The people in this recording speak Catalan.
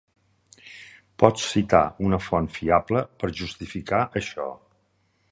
Pots citar una font fiable per justificar això.